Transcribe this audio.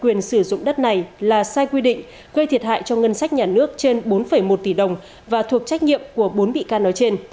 quyền sử dụng đất này là sai quy định gây thiệt hại cho ngân sách nhà nước trên bốn một tỷ đồng và thuộc trách nhiệm của bốn bị can nói trên